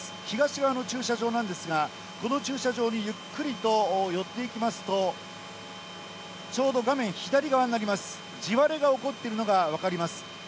東側の駐車場なんですが、この駐車場にゆっくりと寄っていきますと、ちょうど画面左側になります、地割れが起こっているのが分かります。